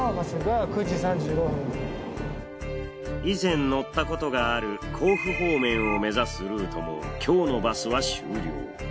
以前乗ったことがある甲府方面を目指すルートも今日のバスは終了。